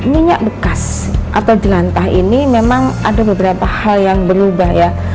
minyak bekas atau jelantah ini memang ada beberapa hal yang berubah ya